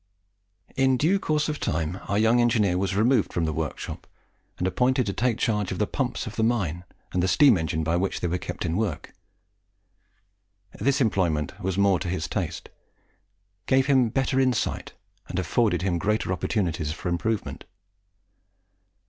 In due course of time our young engineer was removed from the workshop, and appointed to take charge of the pumps of the mine and the steam engine by which they were kept in work. This employment was more to his taste, gave him better "insight," and afforded him greater opportunities for improvement.